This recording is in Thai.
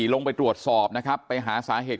ลงไปตรวจสอบนะครับไปหาสาเหตุ